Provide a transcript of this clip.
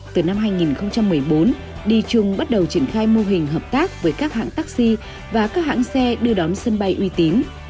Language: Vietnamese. từ năm hai nghìn một mươi bốn d chung bắt đầu triển khai mô hình hợp tác với các hãng taxi và các hãng xe đưa đón sân bay uy tín